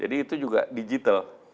jadi itu juga digital